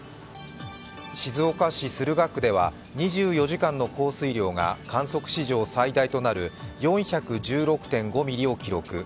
静岡市駿河区では、２４時間の降水量が観測史上最大となる４１６．５ミリを記録。